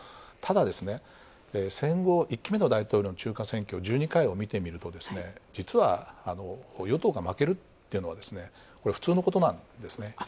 ただ、戦後１期目の大統領の中間選挙１２回を見てみると実は、与党が負けるっていうのは普通のことなんですね。